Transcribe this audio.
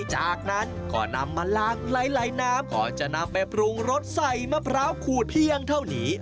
จากนั้นก็นำมาล้างไหลน้ำก่อนจะนำไปปรุงรสใส่มะพร้าวขูดเพียงเท่านี้